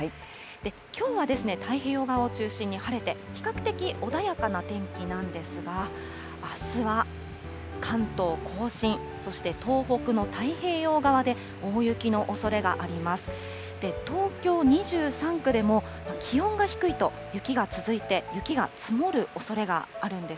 きょうは太平洋側を中心に晴れて、比較的穏やかな天気なんですが、あすは関東甲信、そして東北の太平洋側で、大雪のおそれがあります。